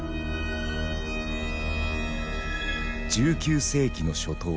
１９世紀の初頭。